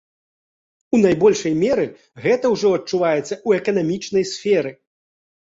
У найбольшай меры гэта ўжо адчуваецца ў эканамічнай сферы.